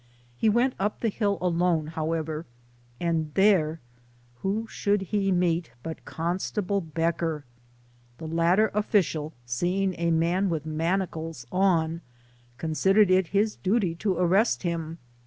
He went up the hill alone, how ever, and there who should he meet but Constable Becker ? The latter official seeing a man with manacles on, considered it his duty to arrest him.